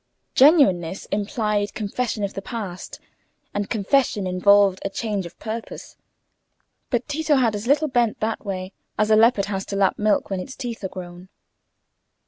Genuineness implied confession of the past, and confession involved a change of purpose. But Tito had as little bent that way as a leopard has to lap milk when its teeth are grown.